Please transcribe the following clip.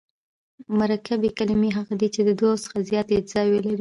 مرکبي کلیمې هغه دي، چي د دوو څخه زیاتي اجزاوي لري.